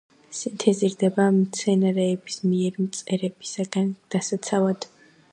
სინთეზირდება მცენარეების მიერ მწერებისგან დასაცავად.